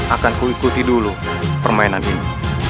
akan kuikuti dulu permainan ini